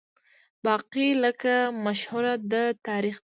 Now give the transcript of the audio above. باقي لکه مشهوره ده تاریخ دی